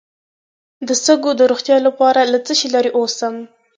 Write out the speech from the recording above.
د سږو د روغتیا لپاره له څه شي لرې اوسم؟